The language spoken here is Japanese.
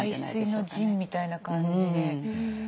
背水の陣みたいな感じで。